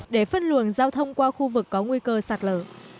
để phân luồng giao thông qua khu vực có nguy cơ sạt lở